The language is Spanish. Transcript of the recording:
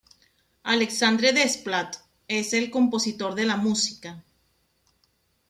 Alexandre Desplat es el compositor de la música.